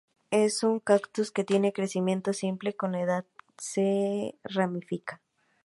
Es un cactus que tiene crecimiento simple, con la edad se ramifica.